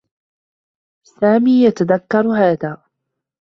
سامي يتذكّر هذا.